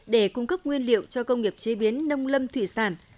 để cung cấp nguyên liệu cho công nghiệp chế biến nông lâm thủy sản